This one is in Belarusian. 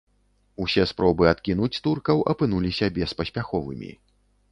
Усе спробы адкінуць туркаў апынуліся беспаспяховымі.